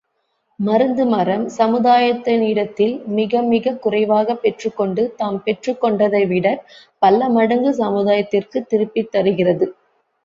மருந்துமரம் சமுதாயத்தினிடத்தில் மிகமிகக் குறைவாகப் பெற்றுக் கொண்டு தாம் பெற்றுக் கொண்டதை விடப் பலமடங்கு சமுதாயத்திற்குத் திருப்பித் தருகிறது.